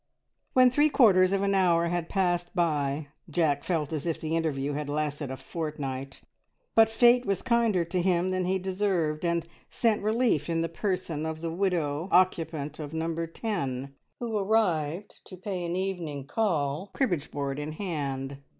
When three quarters of an hour had passed by, Jack felt as if the interview had lasted a fortnight, but fate was kinder to him than he deserved, and sent relief in the person of the widow occupant of Number Ten, who arrived to pay an evening call, cribbage board in hand.